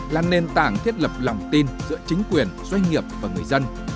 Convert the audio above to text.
là nền tảng thiết lập lòng tin giữa chính quyền doanh nghiệp và người dân